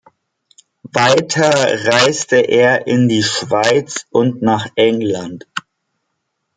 Weiter reiste er in die Schweiz und nach England.